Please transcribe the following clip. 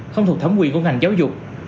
không thuộc thẩm quyền của ngành giáo dục